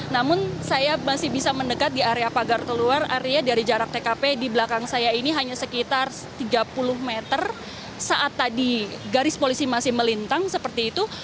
namun saya masih bisa mendekat di area pagar keluar area dari jarak tkp di belakang saya ini hanya sekitar tiga puluh meter saat tadi garis polisi masih melintang seperti itu